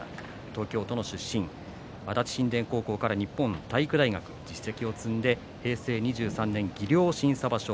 東京都の出身足立新田高校から日本体育大学平成２３年技量審査場所